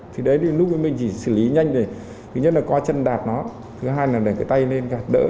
thì đấy thì nút bí mình chỉ xử lý nhanh để thứ nhất là coi chân đạt nó thứ hai là để cái tay lên đỡ